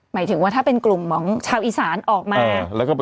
หมายถึงว่าถ้าเป็นกลุ่มของชาวอีสานออกมา